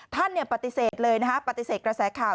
ท่านปฏิเสธเลยนะฮะปฏิเสธกระแสข่าว